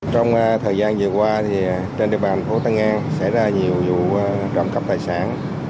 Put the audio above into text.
trong thời gian vừa qua trên địa bàn thành phố tân an xảy ra nhiều vụ trộm cắp tài sản